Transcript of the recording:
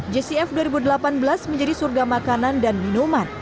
jcf dua ribu delapan belas menjadi surga makanan dan minuman